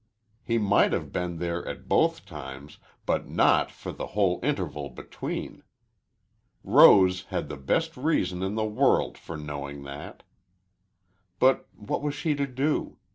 He might have been there at both times, but not for the whole interval between. Rose had the best reason in the world for knowing that. But what was she to do?